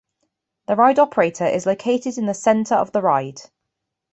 The ride operator is located in the center of the ride.